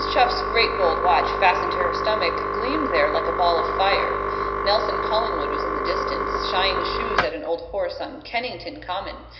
Chuff's great gold watch, fastened to her stomach, gleamed there like a ball of fire. Nelson Collingwood was in the distance, shying stones at an old horse on Kennington Common.